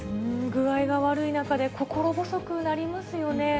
具合が悪い中で、心細くなりますよね。